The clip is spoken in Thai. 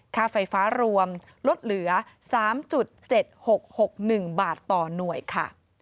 ค่าไฟฟ้ารวมลดเหลือ๓๗๖๖๑บาทต่อหน่วยค่ะ